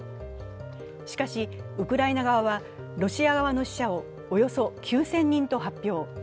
しかしウクライナ側はロシア側の死者をおよそ９０００人と発表。